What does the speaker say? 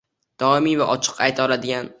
doimiy va ochiq ayta oladigan